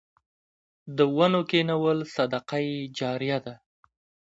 د ونو کینول صدقه جاریه ده.